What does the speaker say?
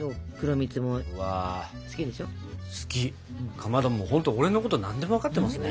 かまどもうほんと俺のこと何でも分かってますね。